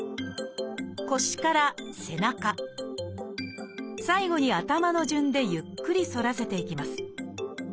腰から背中最後に頭の順でゆっくり反らせていきます。